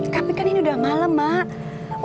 tapi kan ini udah malem mak